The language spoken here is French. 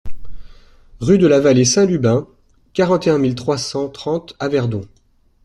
Rue de la Vallée Saint-Lubin, quarante et un mille trois cent trente Averdon